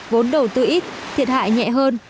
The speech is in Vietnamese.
vốn đầu tư ít thiệt hại nhẹ hơn